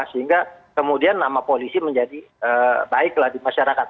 sehingga kemudian nama polisi menjadi baik lah di masyarakat